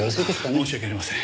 申し訳ありません。